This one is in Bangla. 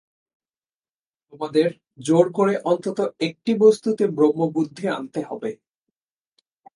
তোমাদের জোর করে অন্তত একটি বস্তুতে ব্রহ্মবুদ্ধি আনতে হবে।